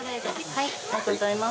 ありがとうございます。